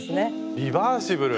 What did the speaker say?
リバーシブル！